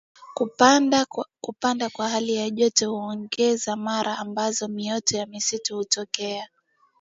Kupanda kwa hali joto huongeza mara ambazo mioto ya msituni hutokea